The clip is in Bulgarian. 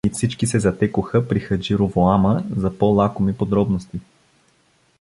И всички се затекоха при Хаджи Ровоама, за по-лакоми подробности.